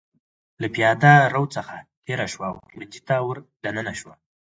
له پېاده رو څخه تېره شوه او پلورنځي ته ور دننه شوه.